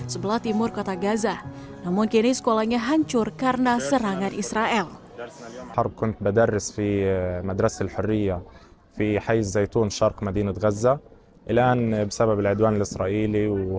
sebelah timur kota gaza namun kini sekolahnya hancur karena serangan israel